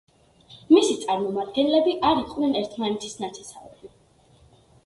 მისი წარმომადგენლები არ იყვნენ ერთმანეთის ნათესავები.